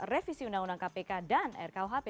revisi undang undang kpk dan rkuhp